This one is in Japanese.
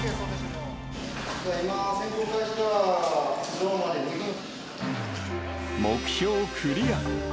今、目標クリア。